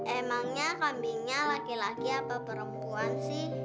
emangnya kambingnya laki laki atau perempuan sih